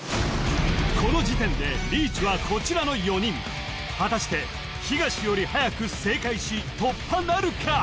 この時点でリーチはこちらの４人果たして東よりはやく正解し突破なるか？